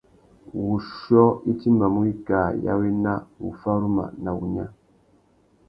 Wuchiô i timbamú wikā ya wena, wuffaruma na wunya.